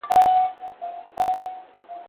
.اوښکو را اخیستي جنازې وي د بګړیو